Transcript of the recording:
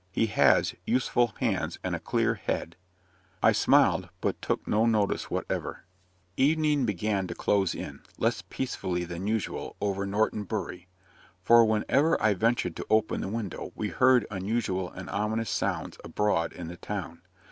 "He has useful hands and a clear head." I smiled, but took no notice whatever. Evening began to close in less peacefully than usual over Norton Bury; for, whenever I ventured to open the window, we heard unusual and ominous sounds abroad in the town.